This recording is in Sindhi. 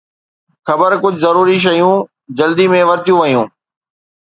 خير، ڪجهه ضروري شيون جلدي ۾ ورتيون ويون